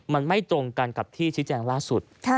มันไม่ตรงกันกับที่ชี้แจงล่าสุด